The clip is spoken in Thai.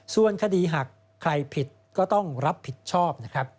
ส่วนคดีหักใครผิดก็ต้องรับผิดชอบนะครับ